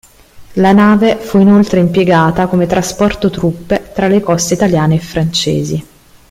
La nave fu inoltre impiegata come trasporto truppe tra le coste italiane e francesi.